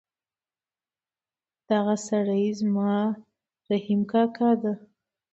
دغه سړی زما رحیم کاکا ده